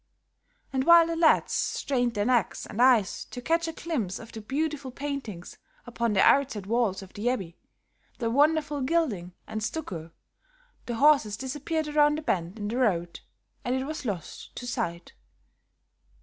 And while the lads strained their necks and eyes to catch a glimpse of the beautiful paintings upon the outside walls of the abbey, the wonderful gilding and stucco, the horses disappeared around a bend in the road, and it was lost to sight.